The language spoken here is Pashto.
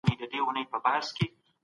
ارام هم د ژوند برخه ده.